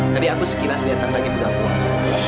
tadi aku sekilas liat tante pegang uang